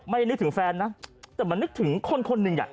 นึกถึงแฟนนะแต่มันนึกถึงคนคนหนึ่งอ่ะ